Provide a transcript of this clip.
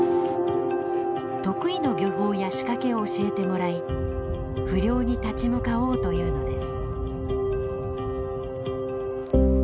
得意の漁法や仕掛けを教えてもらい不漁に立ち向かおうというのです。